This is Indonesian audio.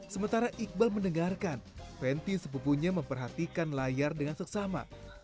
sementara iqbal mendengarkan fenty sepupunya memperhatikan layar dengan seksama